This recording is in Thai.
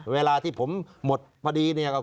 เวลาที่ผมหมดพอดีเนี่ย